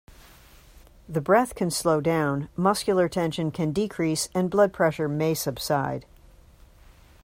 The breath can slow down, muscular tension can decrease and blood pressure may subside.